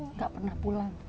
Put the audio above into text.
nggak pernah pulang